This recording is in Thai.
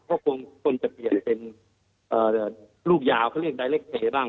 ก็ควรคนจะเปลี่ยนเป็นเอ่อตัวรูปยาวเขาเรียกบ้าง